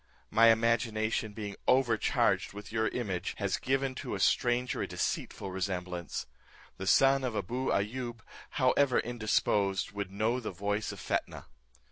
My imagination being overcharged with your image, has given to a stranger a deceitful resemblance. The son of Abou Ayoub, however indisposed, would know the voice of Fetnah."